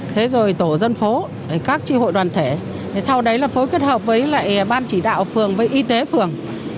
thế rồi tổ dân phố các tri hội đoàn thể sau đấy là phối kết hợp với lại ban chỉ đạo phường với y tế phường